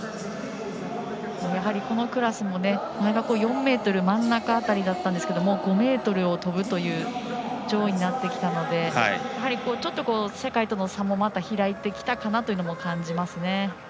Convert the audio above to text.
やはり、このクラスも４ｍ真ん中辺りだったんですけど５ｍを跳ぶという競技になってきたのでちょっと、世界との差もまた開いてきたかなとも感じます。